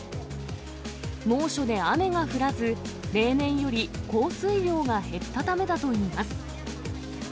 猛暑で雨が降らず、例年より降水量が減ったためだといいます。